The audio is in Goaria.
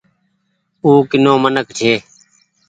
او ڪينو منک ڇي۔